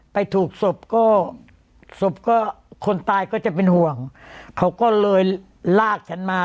ไปถูกศพก็ศพก็คนตายก็จะเป็นห่วงเขาก็เลยลากฉันมา